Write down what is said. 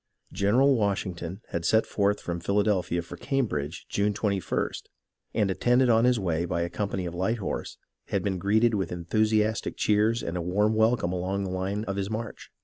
General Washington had set forth from Philadelphia for Cambridge June 2ist, and, attended on his way by a com pany of light horse, had been greeted with enthusiastic cheers and a warm welcome all along the line of his march.